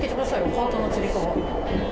ハートのつり革。